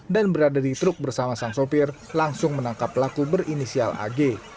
dan berada di truk bersama sang sopir langsung menangkap pelaku berinisial ag